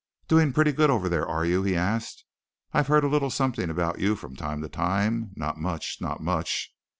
"Doing pretty good over there, are you?" he asked. "I've heard a little something about you from time to time. Not much. Not much.